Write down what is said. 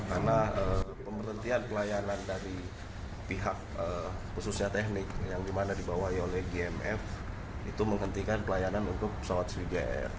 karena pemerintian pelayanan dari pihak khususnya teknik yang dimana dibawahi oleh gmf itu menghentikan pelayanan untuk pesawat sriwijaya air